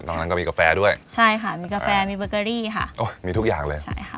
ตรงนั้นก็มีกาแฟด้วยใช่ค่ะมีกาแฟมีเบอร์เกอรี่ค่ะโอ้ยมีทุกอย่างเลยใช่ค่ะ